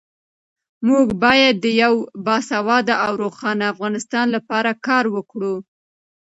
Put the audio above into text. موږ باید د یو باسواده او روښانه افغانستان لپاره کار وکړو.